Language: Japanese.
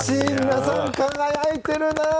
皆さん、輝いてるな。